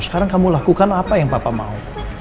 sekarang kamu lakukan apa yang bapak mau